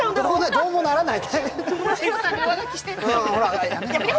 どうもならない。